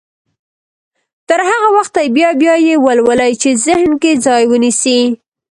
تر هغه وخته يې بيا بيا يې ولولئ چې ذهن کې ځای ونيسي.